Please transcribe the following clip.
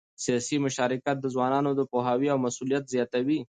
سیاسي مشارکت د ځوانانو د پوهاوي او مسؤلیت زیاتوي